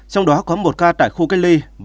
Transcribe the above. trong đó có một ca tại khu cách ly